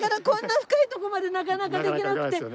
こんな深いとこまでなかなかできなくて。